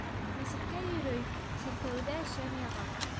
Мәсеткә йөрөй, сиркәүҙә шәм яға.